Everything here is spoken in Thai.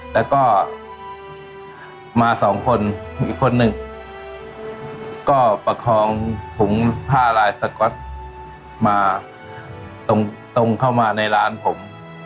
แล้วก็มาสองคนอีกคนหนึ่งก็ประคองถุงผ้าลายสก๊อตมาตรงเข้ามาในร้านผม